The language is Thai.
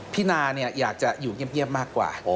พี่นาอยากจะอยู่เงียบมากกว่า